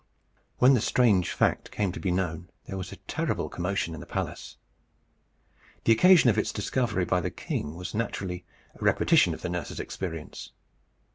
When the strange fact came to be known, there was a terrible commotion in the palace. The occasion of its discovery by the king was naturally a repetition of the nurse's experience.